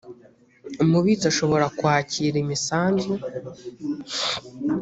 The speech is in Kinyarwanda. umubitsi ashobora kwakira imisanzu